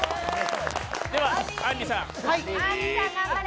ではあんりさん。